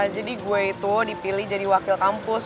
jadi gue itu dipilih jadi wakil kampus